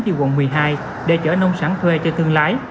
từ quận một mươi hai để chở nông sản thuê cho thương lái